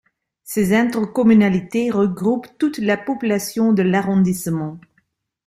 Ces intercommunalités regroupent toute la population de l'arrondissement.